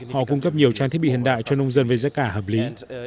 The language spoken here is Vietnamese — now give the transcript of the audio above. họ cung cấp nhiều trang thiết bị hiện đại cho nông dân với giá cả hợp lý